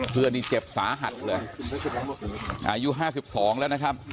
เพื่อน่ี่เจ็บสาหัสเลยอายุห้าสิบสองแล้วนะครับ